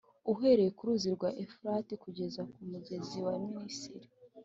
uhereye ku ruzi rwa Efurati kugeza ku mugezi wa Misiri.